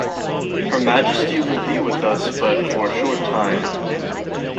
Her majesty will be with us but for a short time.